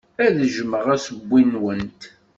Ad jjmeɣ assewwi-nwent.